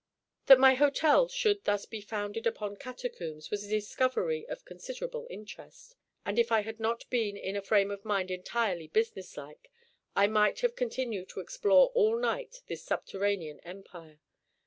That my hotel should thus be founded upon catacombs was a discovery of considerable interest; and if I had not been in a frame of mind entirely businesslike, I might have continued to explore all night this subterranean empire.